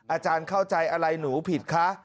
อาจารย์เข้าใจอะไรหนูผิดคะ